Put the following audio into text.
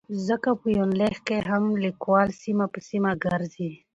ځکه په يونليک کې هم ليکوال سيمه په سيمه ګرځي